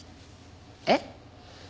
えっ？